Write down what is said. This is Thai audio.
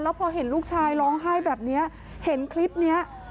พอเห็นลูกชายร้องไห้แบบนี้เห็นคลิปนี้